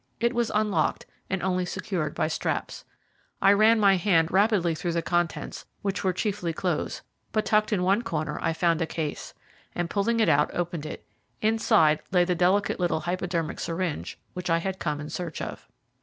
It was unlocked and only secured by straps. I ran my hand rapidly through the contents, which were chiefly clothes, but tucked in one corner I found a case, and, pulling it out, opened it. Inside lay the delicate little hypodermic syringe which I had come in search of.